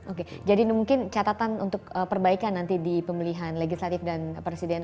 oke jadi mungkin catatan untuk perbaikan nanti di pemilihan legislatif dan presiden